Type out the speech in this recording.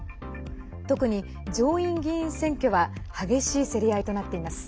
特に上院議員選挙は激しい競り合いとなっています。